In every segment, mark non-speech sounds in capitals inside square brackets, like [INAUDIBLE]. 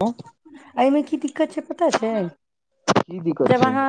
की एहि मे की दिक्कत छै पता छै दिक्कत जब छै अहाँ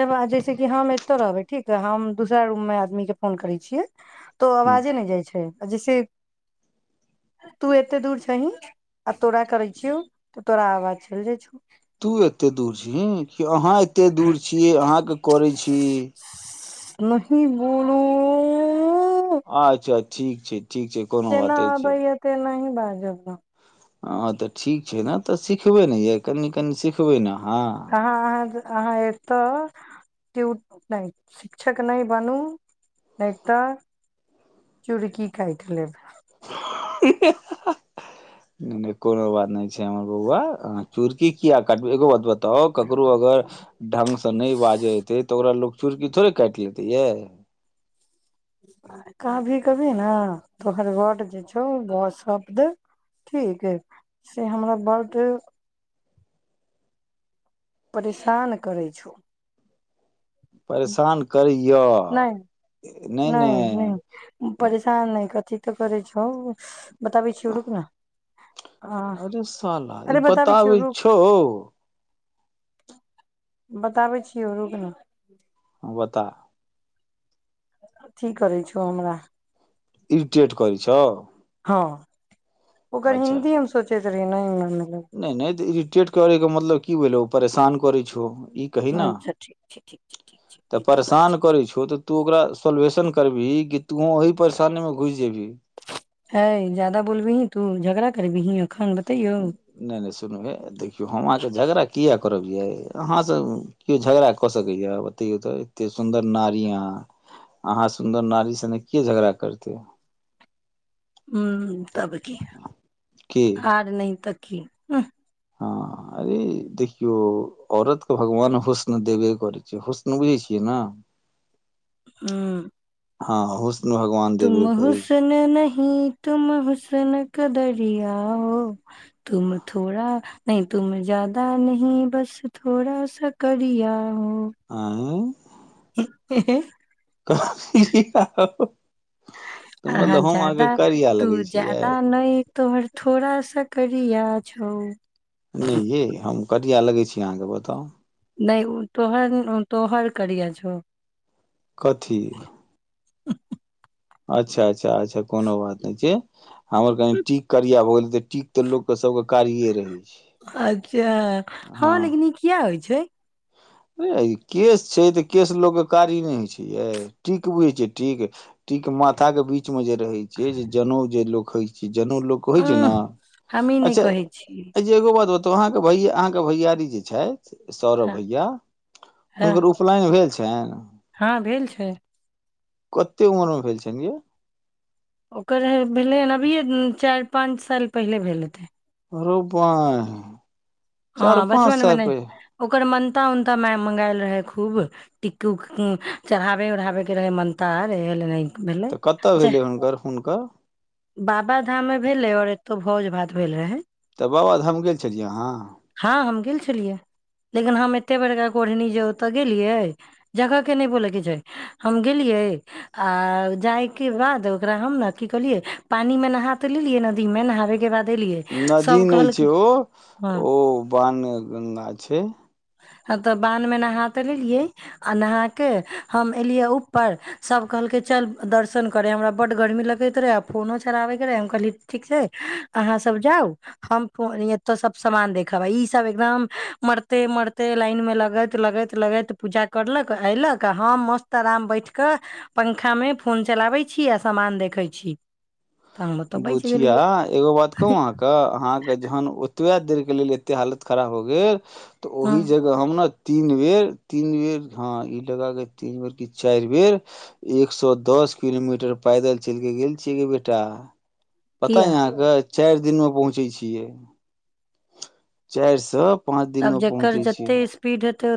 जब जैसे कि हम कतौ रहबै ठीक ह हम दूसरा रूम मे आदमी के फोन करे छियै तँ अवाजे नहि जाइ छै आ जैसे तू एते दूर छही आ तोरा करै छियौ त तोरा अवाज चल जाइ छो तू एते दूर छिही कि अहाँ एतेक दूर छियै अहाँ के करै छी नहि बोलू अच्छा ठीक छै ठीक छै कोनो जेना बात नहि छै भैयतै नहि बाजब हँ तऽ ठीक छै ने तऽ सिखबे ने य कनि कनि सिखबै ने अहाँ अहाँ अहाँ अहाँ एतअ नहि शिक्षक नहि बनू नहि तऽ चूड़की काटि लेब ने कोनो बात नहि छै हमर बौआ अहाँ चुरकी किया काटब एगो बात बता ताउ ककरो अगर ढंग से नहि बाजे एते तऽ ओकरा लोग चूुरकी थोड़े काटि लेतै यै कभी कभी ने तोहर बड जे छौ शब्द ठीक से हमरा ब्ड परेशान करै छौ परेशान करै य नहि नहि नहि त करै छौ बताबै छियौ रुक न आ अरे साला ई अरे छियौ बताबै रुक छौ बताबै छीयौ रुक ना हँ बता अथी करै छहो हमरा इरिटेट करै छौ हँ ओकर अच्छा हिन्दी हम सोचे नहि मिलल नहि नहि इरिटेट करै के मतलब की भेलो परेशान करे छौ ई कही न अच्छा ठीक छै ठीक छै ठीक छै तऽ ठीके बा परेशान छै करै छौ तऽ तू ओकरा सोलेशन करबिही कि तूहू ओही परेशानी मे घुसि जेबही है जादा बोलबिहि तू झगड़ा करबिही तु एखन बतैयौ नहि नहि सुनू हे देखियौ हम आहाँ के झगड़ा किया करब यै अहाँ सँ केओ झगड़ा कऽ सकैया बतैयौ तऽ केते सुन्दर नारि आहा अहाँ सुन्दर नारी सने किए झगड़ा करते हू तब की के आर नहि त की उह हँ अरे देखियौ औरत के भगवान हुस्न देबे करै छै हस्न बुझै छियै ने हँ हँ हुस्न भगवान तुम देबे करै छै हुस्न नही तुम हुस्न दरिया हो तुम थोड़ा नहि तुम जादा न बस थोड़ा सा करिया हो आँ [UNINTELLIGIBLE] अाँ जादा तू लगै छियै ज्यादा नहि तोहर थोड़ा सा करिया छौ नहि येँ हम पटिया लगै छै अहाँके बताउ नहि तोहर तोहर करिया छौ कथी हू हू अच्छा अच्छा अच्छा कोनो बात नहि छै हमर कनि टीक करिया भऽ गेल तऽ टीक तऽ लोकके सबके कारिये रहै छै अच्छा हँ लेकिन इ किया होइ छै केश छै तऽ केश लोक के कारी नहि होइ छै ये टीक बुझै छै टिक टिक माथा के बीच मे जे रहैत छै जे जनउ जे लोक खइ छी जनेउ लोक होइ छै ने उंह हम ई नहि अच्छा कहै छी अच्छा एगो बात तऽ अहाँके भैय अहाँके भैयारी जे छथि हँ होया हँ हुनकर उपनयन भेल छै फैन हँ भेल छै कतेक उमर मे भेल छैलए ओकर भेलै हन अभियए चारि पाँच साल पहिले भेलै अरोबंयह हँ बचपन मे नहि ओकर मन उता मँगाायल रहै खूब टिक चढ़ाबै ओढ़ाबैके रहै मानतार नहि तऽ कतऽ भेलै हुनकर हुनकर बाबा धाममे भेलै ओर तो भोज भात भेल रहे तऽ बाबाधाम गेल छलियै अहाँ हँ हम गेल छलियै लेकिन हम एते बड़का कोढ़नी जे ओतऽ गेलियै जगह के नहि बोलयके छै हम गेलियै आ जायके बाद ओकरा हम ने की कहलियै पानी मे नहा तऽ लेलियै नदी मे नहाबे के बाद एलियै नदी सब नहि कहलकै छै ओ हँ ओ बान गंगा छै ह तऽ बान्ध में नहा ते लेलियै आ नहा के हम एलियै ऊपर सब कहलकै चल दर्शन करे हमरा बड गर्मी लगैत रहे आ फोनो चलाबे के रहे हम कहलिय ठीक छै अहाँ सब जाउ हम फो एतो सब समामान देख ब ईसभ एकदम मरिते मरिते लाइनमे लगैत लगैत लगैत पूजा करलक अयलक आ हम मस्त आराम बैठ कऽ पंखामे फोन चलाबैत छी आ सामान देखैत छी तऽ हम ओतऽ बचि बुचिया गेलियै एगो बात कहू अहाँके अहाँके जहन ओतबे देर लेल एते हालत खराब हो गेल तऽ हँ ओही जगह हम ने तीन बेर तीन बेर हँ ई लग के तीन बेर क चारि बेर एक सए दस किलोमीटर पैदल चल के गेल छियै के बेटा पता किया या अहाँकें चारि दिन मे पहुँचे छियै चारि स तब जकर जते स्पीड हेतै ओ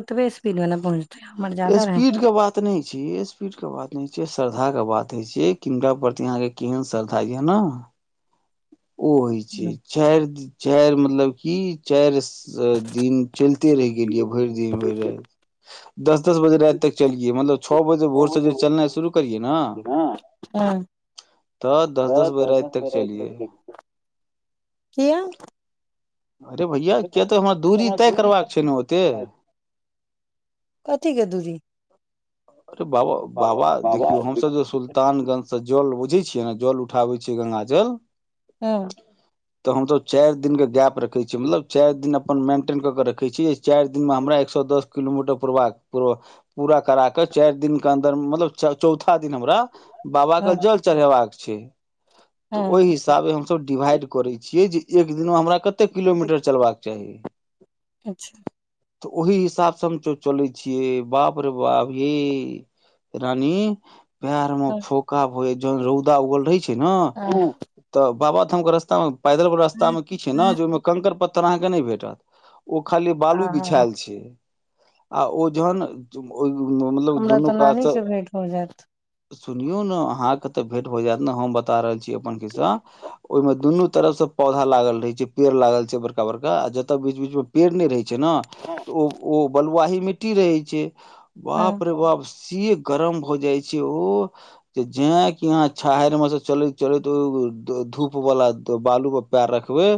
स्पीड के बात नहि छै स्पीड के बात न छै श्रद्धा कें बात छिय किनका प्रति अहाँके केहन श्रद्धा य ने ओ होइ छै रहै चारि चारि मतलब की चारि दिन चलिते रहि गेलियै भरि दिन भरि राति दस दस बजे राति तक चलिए मतलब छः बजे भोर सँ न चलनाए शुरु करिय न हँ दस तऽ दस बजे राति दर्शन तक बेरा चलिए गेलियै किया अरे भैया किया तऽ हमरा दूरी तय करबाका छै ने ओते कथी के दूरी अरे बाबा बाबा देखियौ हमस जे सुलानगंज जल बुझै छियै ने जल उठाबै छियै गंगा जल हँ तऽ हम तो चारि दिननक गैप रख छ छी मतलब चारि दिन अपन मेन्टेन कऽ के रखैत छीिय चारि हमरा एक सए दस किलोमीटर पूरबाक पूर पूरा करा के चारि दिन के अन्दर मतलब चौथा दिन हमरा बाबा के हँ जल चढ़ेबाक छैय त हँ ओइ हिसाबै हम सभ डिभाइड कोरैय छियै जे एक दिनमे हमरा कते कतै किलोमीटर चलबाक चाही अच्छा त ओहि हिसाब स हम चो-चलै छियै बाप रे बाप यै रानी पैर म हँ फोंका भ जहन रौउदा उगल रहैय छैय न ह तअ बाबा थम के रसता मे पैदल बला रसता ह मे की छैय न कंकर पतर अहाँ के नहि भेटत ओ खाली बालु ह बिछाएल छैय आ ओजन जुम ओइ गु-गु-न मतलब हमरा दुनु तऽ कात नानी स से भेंट हो जायत सुनियौ न अहाँके त भेट भ जेत न हम बता रहल छी अपन खिस्सा ओइमे दुनु तरफ स पौधा लागल रहैय छैय पेड़ लागल छैय बड़का बड़का आ जतऽ बीच-बीच में पेड़ नहि रहैय छैय न त ओ-ओ बलुआही मिट्टी रहैय छैय हँ बाप रे बाप स से गरम भ जाय छैय ओ जे जे कि अहाँ छाहरि म से चलैत चलैत ओ-के धूप बला बालु पर रखबै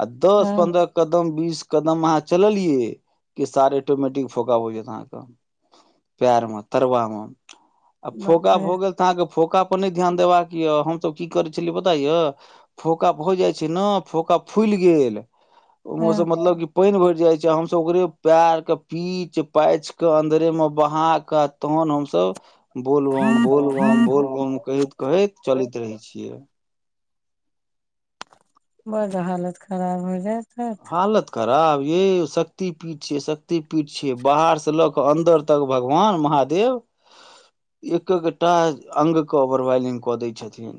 आ दस हँ पन्द्रह कदम बीस कदम अहाँ चललियै कि सार ऑटोमेटिक फोका हो जात अहाँके पेर मे तरुबा मे आ बाप फोका रे भऽ गेल तऽ अहाँ के फोका पर नहि ध्यान देबाक यऽ हमसब की करै छलियै बताया फोका हो जाइ छै ने फोका फुलि गेल ओ हँ मौसम मतलब कि पानि भरि जाइ छै हमसभ ओकरे पैर के पीच पाइच क अन्दरेमे बहा क तहन हमसब बोलबम बोलबम बोलबम कहैत कहैत चलैत रहै छियै बड हालत खराब भ जेत हालत ख करब यौ शक्ति पीठ छियै शक्ति पीठ छियै बाहर से ल क अन्दर तक भगवान महादेव एक-एकग-टा अंग क ओवरवाइलिंग क दैय छथिन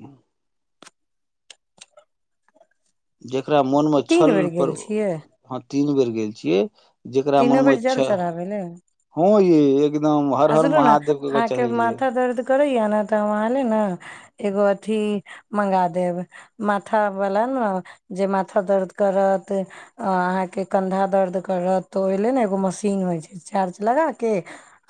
जे एककरा मोनमे तीन छल बेर पर गेल छियै तीन बेर गेल छियै जेकरा तीनो मनमे बेर जल छै चढ़ाबै ले हँ य एकदम हर हर महादेव के चढ़ेलियै था क तऽ ओहिले ने एगो मशीन होइ छै चार्ज लगा के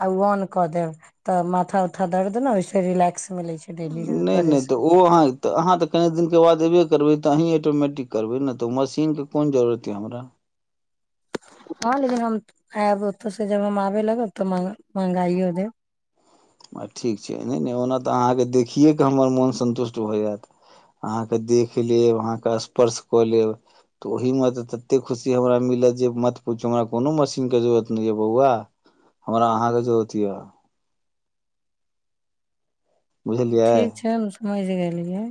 आ ओ ऑन क देब तऽ माथा उथा दर्द दे ने ओहिस रिलैक्स मिलै छै डेली नहि करे नहि से तऽ ओ अहाँ अहाँ तऽ कनि दििन के बाद अबे करबै तऽ अहीं ऑटोमटिक करबै ने तऽ मशीन के कोन जरत यऽ हमरा हँ लेकिन हम आयब ओतयसँ जब हम आबय लगब ओ तऽ मँगाइयओ देब आ ठीक छै नहि ने ओना तऽ अहाँकेँ देखिए कऽ हमर मोन सन्तुष्ट भऽ जायत अहाँकेँ देख लेब अहाँके स्पर्श कऽ लेब तऽ ओहीमे तऽ ततेक खुशी हमरा मिलत जे मत पुछू हमरा कोनो मशीनके जरूरत नहि यए बौआ हमरा अहाँके जरूरत यए बुझलियै ठीक छै हम समझ गेलियै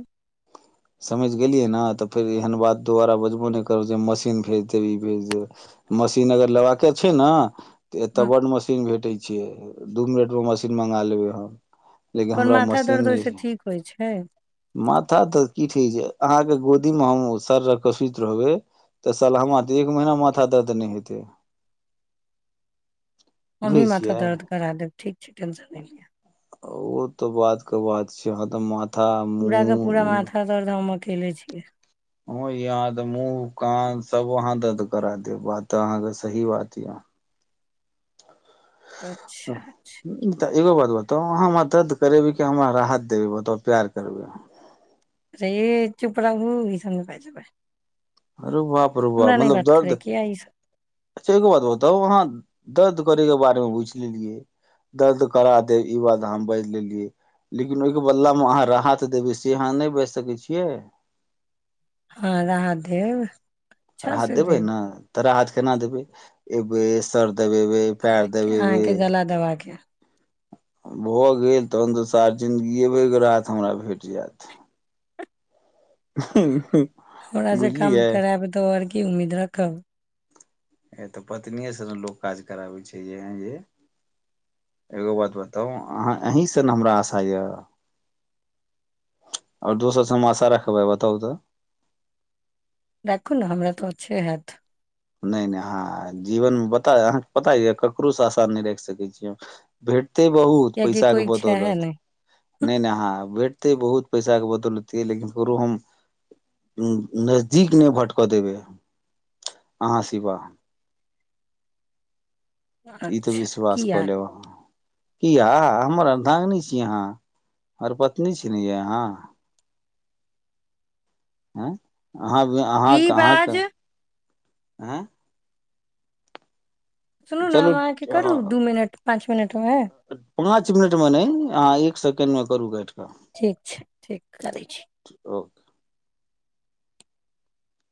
समझ गेलियै ने तऽ फेर एहन बात दोबारा बजबो नहि करब जे मशीन भेज देब ई भेज देब मशीन अगर लेबाके छै ने एतय हँ, बड मशीन भेट छै छिय दू मिनट मे मशीन मंगा लेबै हम लेकिन पर हमरा माथा मशीन दर्द नहि ओहिसँ छै ठीक होइत छै माथा दर्द की ठ छै अहाँके गोदीमे हम सर रकसित रहबै तऽ सरहा तऽ एक महीना माथा दर्द नहि हेतै बुझै हमरो माथा छियै दर्द करा देब ठीक छै टेंशन नहि लिया ओ तो बात के बात छै यह तऽ माथा पूरा क पूरा मुँह माथा दर्द हमर खेले छियै ह यह तऽ मुँह कान सब वहाँ दर्द करा दे बात अहाँके सही बात य अच्छा अच्छा एगो बात बताउ अहाँ मदद करेबी कि हमरा राहत देबी बता प्यार करबी ए चुप रहु इ सभ नए बजबाय अरू बाप रो बाप मतलब दर्द करैके यै ई सब अच्छा एको बात बता वहाँ दर्द करै के बारे मे बुझ लेलियै दर्द करा देब ई बात हम बाजि लेलियै लेकिन ओहिके बदला मे अहाँ राहत देबै से अहाँ नहि बाजि सकै छियै हँ राहत देब अच्छा राहत से देबै देब ने तऽ राहत केना देबै ए सर्दी देबबे पैर अहाँके देबेब अहाँके गला दबा के भऽ गेल तखन तऽसार जिन्दगीएबेके राहत हमरा भेट जायत हमरा से काम बुझलियै करायब तऽ आओर की उम्मीद रखब ह तऽ पत्निएसँ ने लोक काज कराबै छै य एगो बात बताउ अह अहीँसँ ने हमरा आशा यए आओर दोसरसँ हम आशा रखबै बताउ तऽ राखू ने हमरा तऽ अच्छे हैत नहि नहि ह जीवन मे पता अहाँके पता य ककरोसँ आसान नहि राखि सकै छीिय भेट एते बहुत कियाकि पैसा के कोइ इच्छा है बदौलत नहि हूँ, नहि नहि अहाँ वे ते बहुत पैसा के बदलतै लेकिन ककरो हम नजदीक नहि भटकऽ देबे अहाँ शिवा ई तऽ अच्छा विश्वास कऽ किया लेबे क या हमर अर्धांगिन छी यहाँ हमर पत्नी छी ने य यहाँ आँ अहाँ की अहाँके अहाँके बाज आँ सुनू ने चलू हम अहाँके करू दू मिनट पाँच तो वै पाँंच मिनट में न अहाँ एक सेकें्ड में करु काट के ठीक छै ठीक करै छी ओ